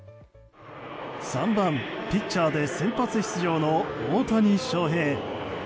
３番ピッチャーで先発出場の大谷翔平。